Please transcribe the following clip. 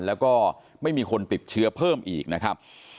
แล้วก็ไม่มีคนติดเชื้อเพิ่มอีกนะครับ